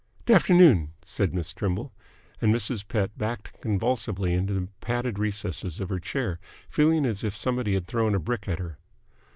"Dafternoon," said Miss Trimble, and Mrs. Pett backed convulsively into the padded recesses of her chair, feeling as if somebody had thrown a brick at her.